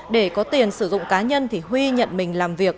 để có tiền sử dụng cá nhân thì huy nhận mình làm việc